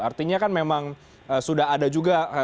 artinya kan memang sudah ada juga